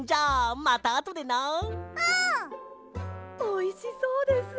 おいしそうです。